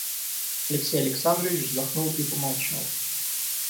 Алексей Александрович вздохнул и помолчал.